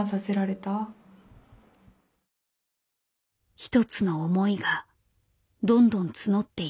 一つの思いがどんどん募っていった。